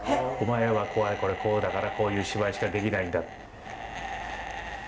「お前はこれこれこうだからこういう芝居しかできないんだ」。